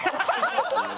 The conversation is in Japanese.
ハハハハ！